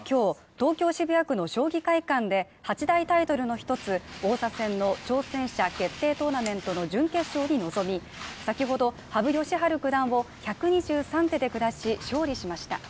東京渋谷区の将棋会館で八大タイトルの一つ王座戦の挑戦者決定トーナメントの準決勝に臨み、先ほど羽生善治九段を１２３手で下し勝利しました。